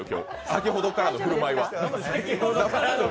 先ほどからの振る舞いは。